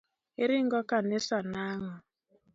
Iringo kanisa nang'o?